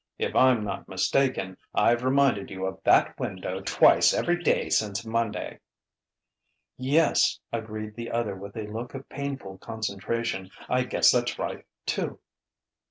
If I'm not mistaken, I've reminded you of that window twice every day since Monday." "Yes," agreed the other with a look of painful concentration; "I guess that's right, too."